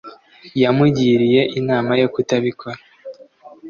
yamugiriye inama yo kutabikora